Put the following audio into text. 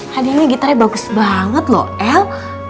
hadiahnya gitarnya bagus banget loh el